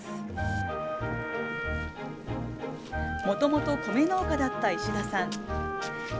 もともと、米農家だった石田さん。